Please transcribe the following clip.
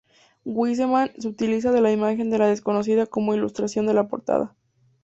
Wiseman, se utiliza la imagen de la Desconocida como ilustración de la portada.